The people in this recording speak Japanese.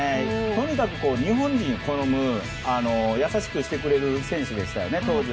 とにかく日本人を好む優しくしてくれる選手でした。